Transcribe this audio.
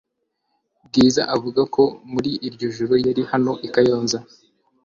Bwiza avuga ko muri iryo joro yari hano i kayonza